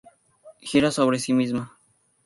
Gira sobre sí misma.